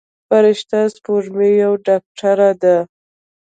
فرشته سپوږمۍ یوه ډاکتره ده.